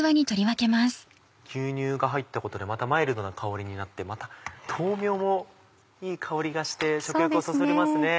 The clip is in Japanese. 牛乳が入ったことでマイルドな香りになってまた豆苗もいい香りがして食欲をそそりますね。